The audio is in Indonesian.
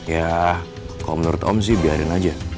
ya kalau menurut om sih biarin aja